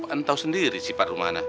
entau sendiri sifat rumana